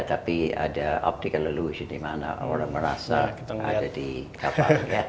tapi ada optical illusion dimana orang merasa ada di kapal